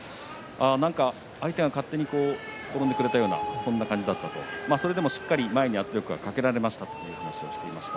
なんか相手が勝手に転んでくれたようなそんな感じだったそれでも、しっかり前に圧力をかけられましたという話をしてました。